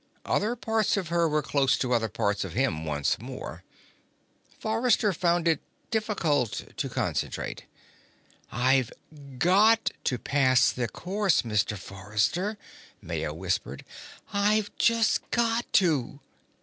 Other parts of her were close to other parts of him once more. Forrester found it difficult to concentrate. "I've got to pass the course, Mr. Forrester," Maya whispered. "I've just got to."